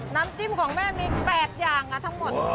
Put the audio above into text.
น้ำจิ้มของแม่มี๘อย่างทั้งหมด